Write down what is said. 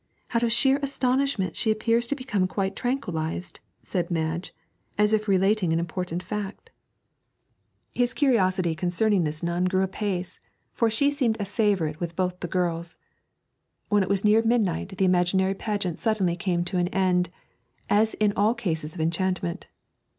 'Out of sheer astonishment she appears to become quite tranquillised,' said Madge, as if relating an important fact. His curiosity concerning this nun grew apace, for she seemed a favourite with both the girls. When it was near midnight the imaginary pageant suddenly came to an end, as in all cases of enchantment.